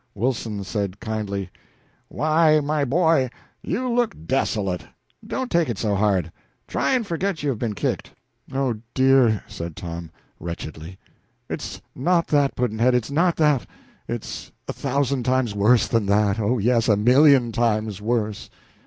Wilson said kindly "Why, my boy, you look desolate. Don't take it so hard. Try and forget you have been kicked." "Oh, dear," said Tom, wretchedly, "it's not that, Pudd'nhead it's not that. It's a thousand times worse than that oh, yes, a million times worse."